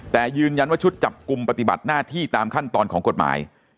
แต่ยืนยันว่าชุดจับกลุ่มปฏิบัติหน้าที่ตามขั้นตอนของกฎหมาย